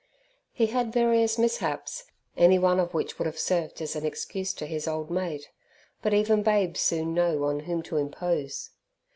He had various mishaps, any one of which would have served as an excuse to his old mate, but even babes soon know on whom to impose.